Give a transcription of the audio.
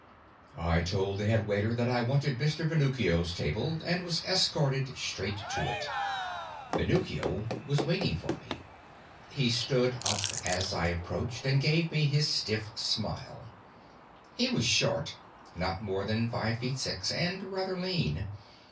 I told the headwaiter that I wanted Mr. Venuccio's table, and was escorted straight to it. Venuccio was waiting for me. He stood up as I approached and gave me his stiff smile. He was short not more than five foot six and rather lean.